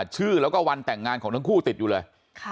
ชื่อแล้วก็วันแต่งงานของทั้งคู่ติดอยู่เลย